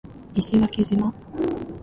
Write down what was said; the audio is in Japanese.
石垣島